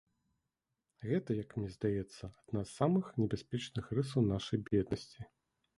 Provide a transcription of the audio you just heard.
Гэта, як мне здаецца, адна з самых небяспечных рысаў нашай беднасці.